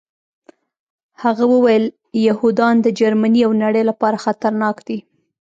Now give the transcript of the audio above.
هغه وویل یهودان د جرمني او نړۍ لپاره خطرناک دي